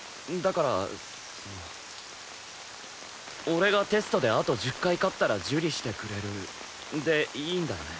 俺がテストであと１０回勝ったら受理してくれるでいいんだよね？